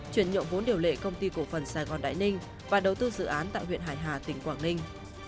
chuyển nhượng vốn điều lệ công ty cổ phần sài gòn đại ninh và đầu tư dự án tại huyện hải hà tỉnh quảng ninh